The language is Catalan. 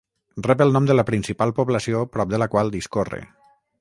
Rep el nom de la principal població prop de la qual discorre.